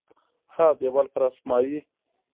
ها دیوال پر اسمایي